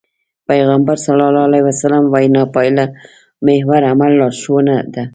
پيغمبر ص وينا پايلهمحور عمل لارښوونه ده.